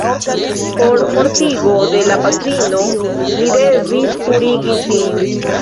Por mortigo de la patrino li devis purigi sin.